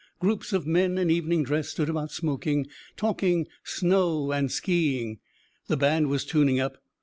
Groups of men in evening dress stood about smoking, talking "snow" and "ski ing." The band was tuning up.